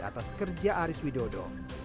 atas kerja aris widodo